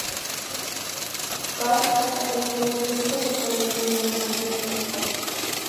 Bas está casado y tiene tres hijos, y actualmente vive en Los Ángeles, California.